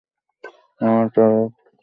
আমার তরফ থেকে ওকে সরি বলে দিও।